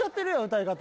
歌い方